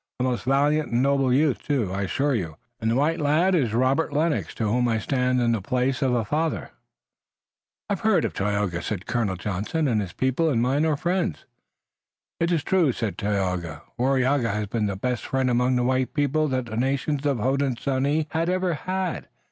A most valiant and noble youth, too, I assure you, and the white lad is Robert Lennox, to whom I stand in the place of a father." "I have heard of Tayoga," said Colonel Johnson, "and his people and mine are friends." "It is true," said Tayoga, "Waraiyageh has been the best friend among the white people that the nations of the Hodenosaunee have ever had.